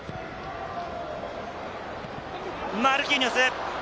マルキーニョス。